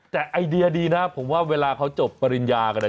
แต่ไอเดียดีนะผมว่าเวลาเขาจบปริญญากันเนี่ย